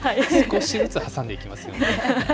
少しずつ挟んでいきますよね。